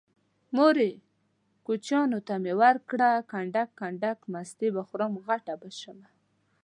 مورې کوچيانو ته مې ورکړه کنډک کنډک مستې به خورم غټه به شمه